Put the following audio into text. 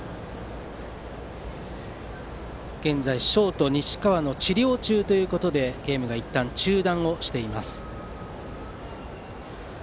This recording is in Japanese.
現在、ショート西川の治療中でゲームがいったん中断しています。